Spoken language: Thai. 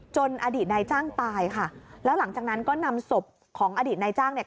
อดีตนายจ้างตายค่ะแล้วหลังจากนั้นก็นำศพของอดีตนายจ้างเนี่ย